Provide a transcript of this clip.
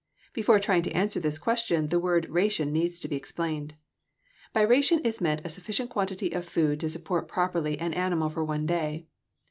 Before trying to answer this question the word ration needs to be explained. By ration is meant a sufficient quantity of food to support properly an animal for one day.